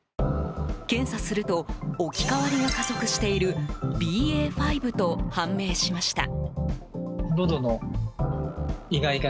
検査すると置き換わりが加速しているＢＡ．５と判明しました。